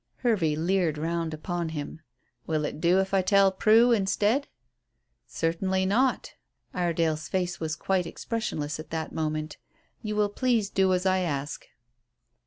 Hervey leered round upon him. "Will it do if I tell Prue instead?" "Certainly not." Iredale's face was quite expressionless at that moment. "You will please do as I ask."